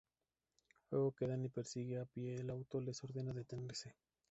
Luego que Danny persigue a pie el auto, les ordena detenerse.